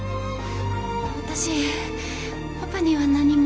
私パパには何も。